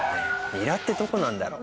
ニラってどこなんだろう？